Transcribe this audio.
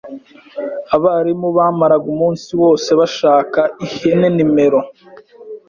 Abarimu bamaraga umunsi wose bashaka ihene nimero